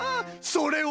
それは。